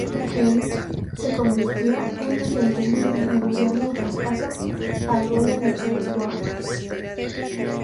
En se convirtió en agente libre, negociando su traspaso a Golden State Warriors.